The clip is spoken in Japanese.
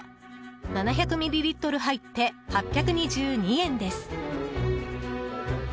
７００ミリリットル入って８２２円です。